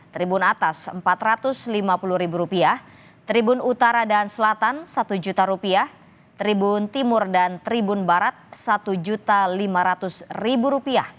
tribun atas rp empat ratus lima puluh tribun utara dan selatan rp satu tribun timur dan tribun barat rp satu lima ratus